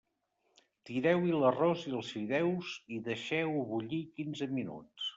Tireu-hi l'arròs i els fideus i deixeu-ho bullir quinze minuts.